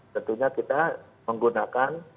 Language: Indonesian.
tentunya kita menggunakan